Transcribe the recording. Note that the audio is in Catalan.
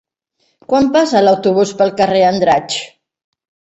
Quan passa l'autobús pel carrer Andratx?